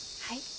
はい。